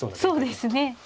そうですね。